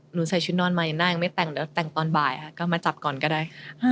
หนูใส่ชุดนอนมาเดี๋ยวหน้ายังไม่แต่งแต่งตอนบ่ายค่ะก็มาจับก่อนก็ได้